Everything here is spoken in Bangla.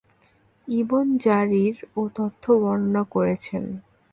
ইবন জারীর এ তথ্য বর্ণনা করেছেন।